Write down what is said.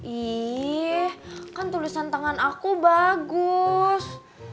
ih kan tulisan tangan aku bagus